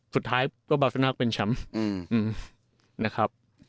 สุดท้ายก็บาซิลน่าก็เป็นชำ